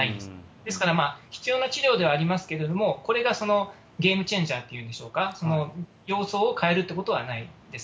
ですから必要な治療ではありますけれども、これがゲームチェンジャーと言うんでしょうか、様相を変えるってことはないです。